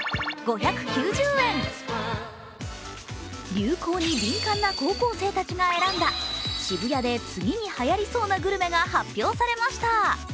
流行に敏感な高校生たちが選んだ渋谷で次にはやりそうなグルメが発表されました。